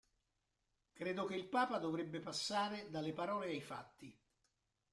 Credo che il Papa dovrebbe passare dalle parole ai fatti.